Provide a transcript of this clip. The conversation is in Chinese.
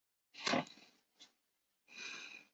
并发控制要解决的就是这类问题。